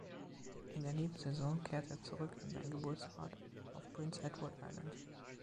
In der Nebensaison kehrt er zurück an seinen Geburtsort auf Prince Edward Island.